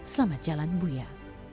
selamat jalan buya